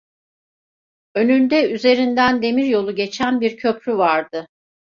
Önünde, üzerinden demiryolu geçen bir köprü vardı.